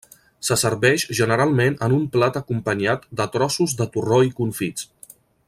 Se serveix generalment en un plat acompanyat de trossos de torró i confits.